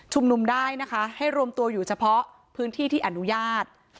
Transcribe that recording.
นุมได้นะคะให้รวมตัวอยู่เฉพาะพื้นที่ที่อนุญาต